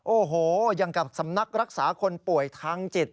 โอ้โหอย่างกับสำนักรักษาคนป่วยทางจิต